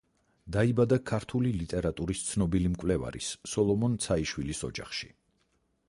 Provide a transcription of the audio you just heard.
დაიბადა ქართული ლიტერატურის ცნობილი მკვლევარის სოლომონ ცაიშვილის ოჯახში.